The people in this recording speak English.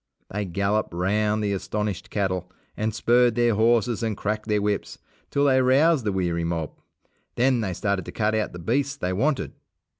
They galloped round the astonished cattle and spurred their horses and cracked their whips, till they roused the weary mob. Then they started to cut out the beasts they wanted.